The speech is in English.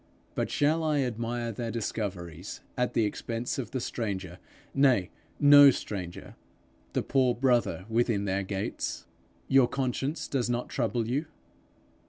But shall I admire their discoveries at the expense of the stranger nay, no stranger the poor brother within their gates? Your conscience does not trouble you?